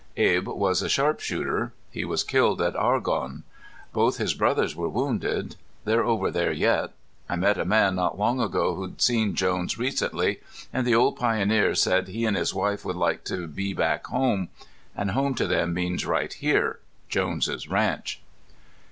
Abe was a sharpshooter. He was killed at Argonne. Both his brothers were wounded. They're over there yet.... I met a man not long ago who'd seen Jones recently. And the old pioneer said he and his wife would like to be back home. And home to them means right here Jones' Ranch!"